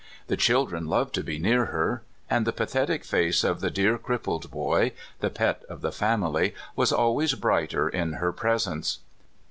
The children loved to be near her; and the pathetic face of the dear crippled boy, the pet of the family, was always brighter in her pres ence.